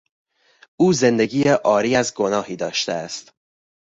او زندگی عاری از گناهی داشته است.